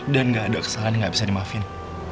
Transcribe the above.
dan gak ada kesalahan yang gak bisa dimaafin